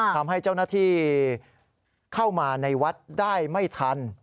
ทำให้เจ้าหน้าที่เข้ามาในวัดได้ไม่ทัน